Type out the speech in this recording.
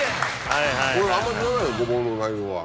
はい。